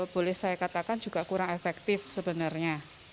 boleh saya katakan juga kurang efektif sebenarnya